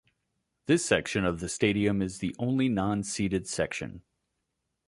This section of the stadium is the only non-seated section.